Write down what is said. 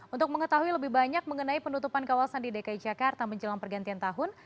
untuk mengetahui lebih banyak mengenai penutupan kawasan di dki jakarta menjelang pergantian tahun